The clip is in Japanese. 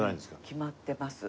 決まってます。